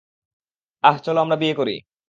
আহ, চলো আমরা বিয়ে করি।